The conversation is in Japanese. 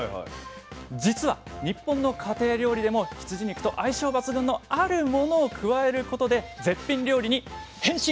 実は日本の家庭料理でも羊肉と相性抜群のあるものを加えることで絶品料理に変身！